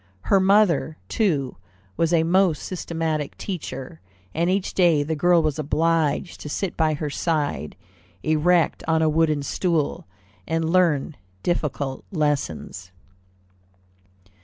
Her mother, too, was a most systematic teacher, and each day the girl was obliged to sit by her side, erect, on a wooden stool, and learn difficult lessons.